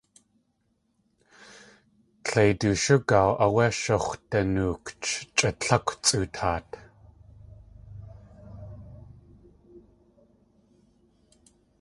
Tleidooshú gaaw áwé shax̲wdanookch chʼa tlákw tsʼootaat.